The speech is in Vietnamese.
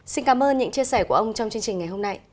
xin cảm ơn những chia sẻ của ông trong chương trình ngày hôm nay